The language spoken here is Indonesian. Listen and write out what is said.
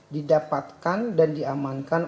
didapatkan dan diamankan